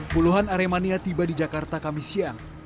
puluhan aremania tiba di jakarta kami siang